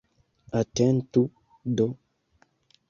Atentu do.